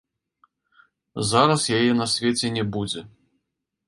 Зараз яе на свеце не будзе.